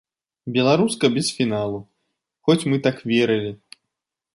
Беларуска без фіналу, хоць мы так верылі.